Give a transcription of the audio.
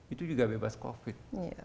itu juga bebas covid